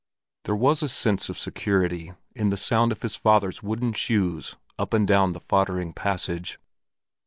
There was a sense of security in the sound of his father's wooden shoes up and down the foddering passage.